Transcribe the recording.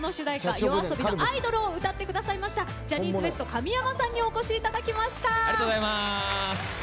ＹＯＡＳＯＢＩの「アイドル」を歌ってくださいましたジャニーズＷＥＳＴ神山さんにお越しいただきました。